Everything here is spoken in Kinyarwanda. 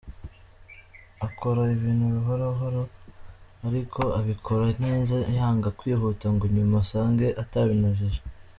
Akora ibintu buhoro buhoro ariko akabikora neza yanga kwihuta ngo nyuma asange atabinogeje.